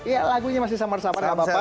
ya lagunya masih sama sama gak apa apa